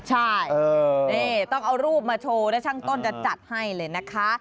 ใช่นี่ต้องเอารูปมาโชว์แล้วช่างต้นจะจัดให้เลยนะคะ